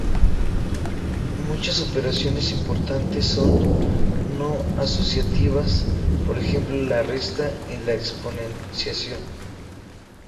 Muchas operaciones importantes son "no asociativas," por ejemplo la resta y la exponenciación.